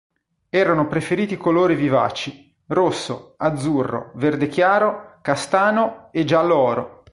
Erano preferiti i colori vivaci, rosso, azzurro, verde chiaro, castano e giallo oro.